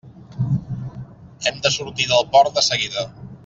Hem de sortir del port de seguida.